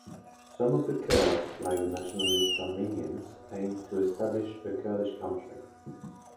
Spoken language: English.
Some of the Kurds, like the nationalist Armenians, aimed to establish a Kurdish country.